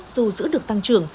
dù giữ được tăng trưởng